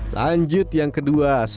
lanjut yang kedua sate